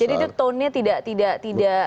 jadi itu tonnya tidak tidak tidak